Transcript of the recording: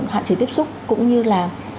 hạn chế tiếp xúc cũng như là